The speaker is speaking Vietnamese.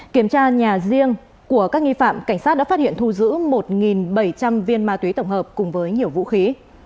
kiểm tra nhà riêng của các nghi phạm cảnh sát đã phát hiện thu giữ một bảy trăm linh viên ma túy tổng hợp cùng với nhiều vũ khí